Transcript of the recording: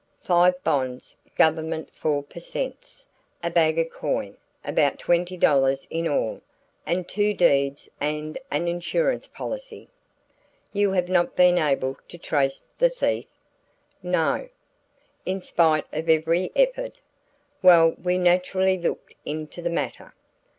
"Five bonds Government four per cents a bag of coin about twenty dollars in all and two deeds and an insurance policy." "You have not been able to trace the thief?" "No." "In spite of every effort?" "Well, we naturally looked into the matter."